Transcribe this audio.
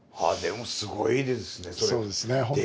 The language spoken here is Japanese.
でもすごいですねそれ。